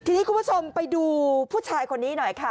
ทีนี้คุณผู้ชมไปดูผู้ชายคนนี้หน่อยค่ะ